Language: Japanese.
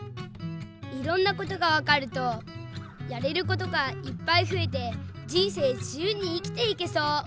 いろんなことがわかるとやれることがいっぱいふえてじんせいじゆうにいきていけそう。